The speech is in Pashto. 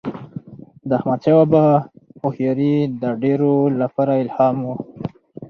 د احمدشاه بابا هوښیاري د ډیرو لپاره الهام و.